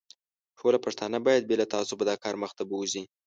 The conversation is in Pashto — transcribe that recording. ټوله پښتانه باید بې له تعصبه دا کار مخ ته بوزي.